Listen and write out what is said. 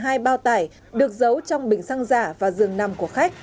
các bao tải được giữ trong bình xăng giả và rừng nằm của khách